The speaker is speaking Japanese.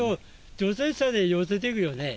除雪車で寄せてくよね。